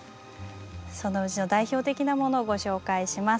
そのうちの代表的なものをご紹介します。